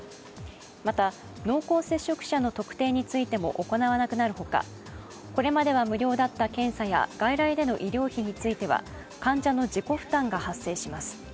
また、濃厚接触者の特定についても行わなくなるほか、これまでは無料だった検査や外来での医療費については患者の自己負担が発生します。